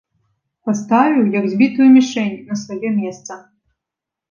Паставіў, як збітую мішэнь, на сваё месца.